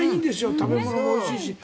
食べ物もおいしいし。